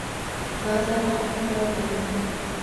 Ba’zan oqni qora deyman.